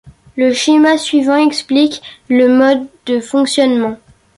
Le schéma suivant explique le mode de fonctionnement.